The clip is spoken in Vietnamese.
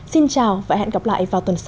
xin chào và hẹn gặp lại vào tuần sau